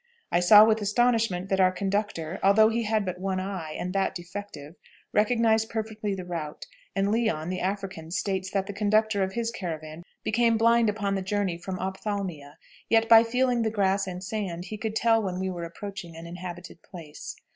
"I saw with astonishment that our conductor, although he had but one eye, and that defective, recognized perfectly the route; and Leon, the African, states that the conductor of his caravan became blind upon the journey from ophthalmia, yet by feeling the grass and sand he could tell when we were approaching an inhabited place.